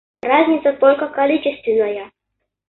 Разница только количественная.